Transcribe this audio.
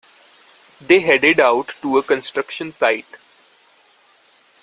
They headed out to a construction site.